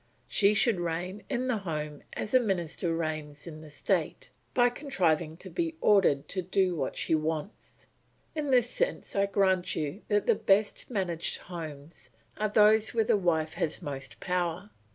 She should reign in the home as a minister reigns in the state, by contriving to be ordered to do what she wants. In this sense, I grant you, that the best managed homes are those where the wife has most power.